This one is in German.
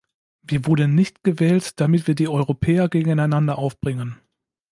Wir wurden nicht gewählt, damit wir die Europäer gegeneinander aufbringen.